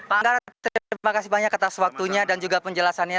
pak anggara terima kasih banyak atas waktunya dan juga penjelasannya